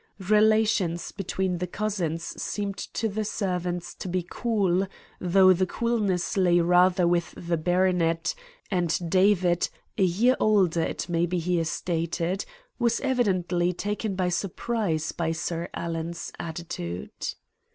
Relations between the cousins seemed to the servants to be cool, though the coolness lay rather with the baronet, and David, a year older, it may be here stated, was evidently taken by surprise by Sir Alan's attitude.